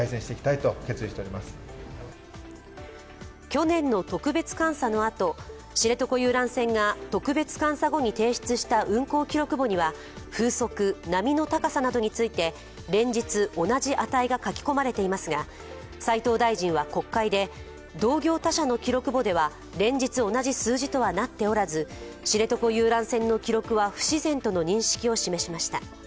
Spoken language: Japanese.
去年の特別監査のあと、知床遊覧船が特別監査後に提出した運航記録簿には、風速、波の高さなどについて連日同じ値が書き込まれていますが斉藤大臣は国会で、同業他社の記録簿では連日同じ数字とはなっておらず、知床遊覧船の記録は不自然との認識を示しました。